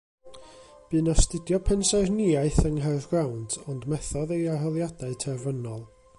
Bu'n astudio pensaernïaeth yng Nghaergrawnt ond methodd ei arholiadau terfynol.